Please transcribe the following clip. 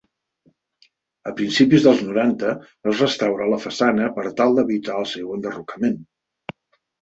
A principis dels noranta es restaura la façana per tal d'evitar el seu enderrocament.